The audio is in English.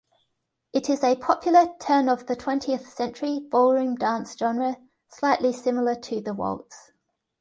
It is a popular turn-of-the-twentieth-century ballroom dance genre slightly similar to the waltz.